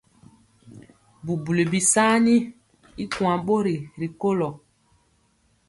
Bubuli bisaani y kuan bori rikolo.